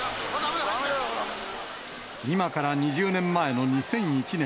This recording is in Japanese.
今から２０年前の２００１年。